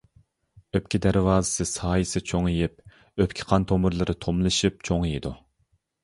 ئۆپكە دەرۋازىسى سايىسى چوڭىيىپ ئۆپكە قان تومۇرلىرى توملىشىپ چوڭىيىدۇ.